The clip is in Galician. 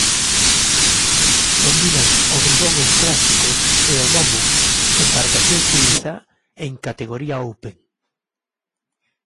Dominan o Bribón en clásicos e o Momo, embarcación suíza, en categoría Open.